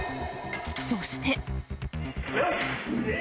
そして。